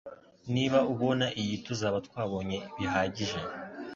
Niba ubona iyi tuzaba twabonye bihagije